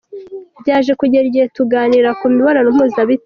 Byaje kugera igihe tuganira ku mibonano mpuzabitsina.